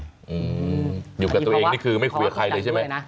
อืมอยู่กับตัวเองนี่คือไม่คุยกับใครเลยใช่ไหม